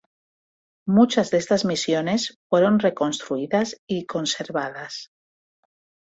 Muchas de estas misiones fueron reconstruidas y conservadas.